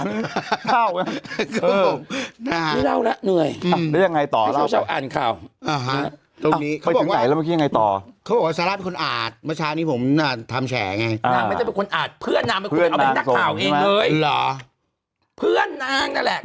คนอาจเพื่อนน้ำเนอะเพื่อนน้ำฟังเองเนอะเพื่อนน้ำเนอะแหละ